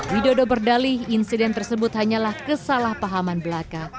widodo berdalih insiden tersebut hanyalah kesalahpahaman belaka